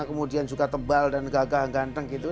kemudian juga tebal dan gagang ganteng gitu